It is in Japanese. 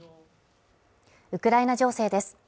ウクライナ情勢です